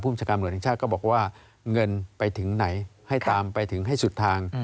ภูมิศการบริษัทก็บอกว่าเงินไปถึงไหนให้ตามไปถึงให้สุดทาง